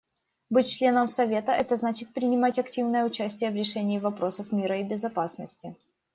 Быть членом Совета — это значит принимать активное участие в решении вопросов мира и безопасности.